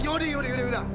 yaudah yaudah yaudah